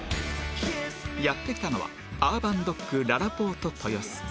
やって来たのはアーバンドックららぽーと豊洲